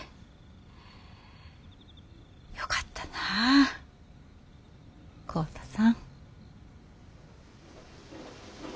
よかったなぁ浩太さん。